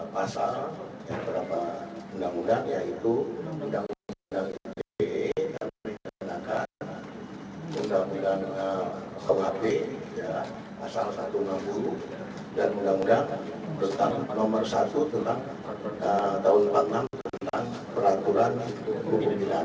pasal yang terdapat mudah mudahan yaitu undang undang ip yang digunakan undang undang kwp pasal satu ratus enam puluh